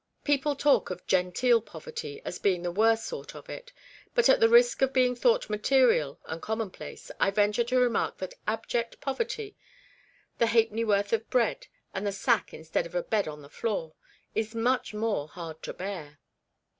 People talk of " genteel poverty " as being the worst sort of it, but at the risk of being thought material and commonplace, I venture to remark that abject poverty the halfpenny worth of bread, and the sack instead of a bed REBECCA'S REMORSE. on the floor is much more hard to bear.